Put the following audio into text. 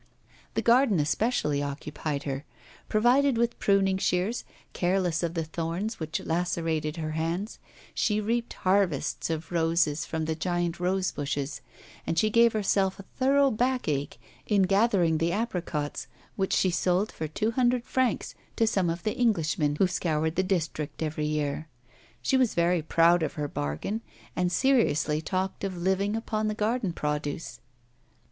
The garden especially occupied her; provided with pruning shears, careless of the thorns which lacerated her hands, she reaped harvests of roses from the giant rose bushes; and she gave herself a thorough back ache in gathering the apricots, which she sold for two hundred francs to some of the Englishmen who scoured the district every year. She was very proud of her bargain, and seriously talked of living upon the garden produce.